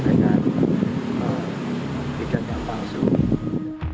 tidak terjebak dengan